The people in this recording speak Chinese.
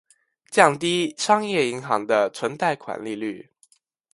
降低商业银行的存贷款利率。